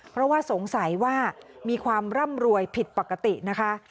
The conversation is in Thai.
เพราะว่าสงสัยว่ามีความร่ำรวยผิดปกตินะคะ